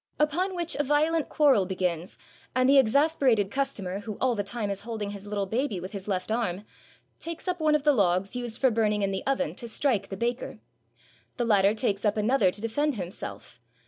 Upon which a violent quarrel begins, and the exasperated customer, who all the time is hold ing his little baby with his left arm, takes up one of the logs used for burning in the oven to strike the baker. 549 TURKEY The latter takes up another to defend himself.